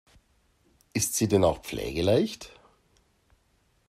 Ist sie denn auch pflegeleicht?